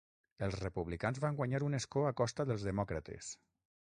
Els republicans van guanyar un escó a costa dels demòcrates.